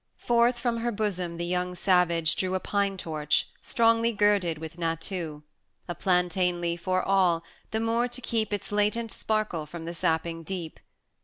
VII. Forth from her bosom the young savage drew A pine torch, strongly girded with gnatoo; A plantain leaf o'er all, the more to keep Its latent sparkle from the sapping deep.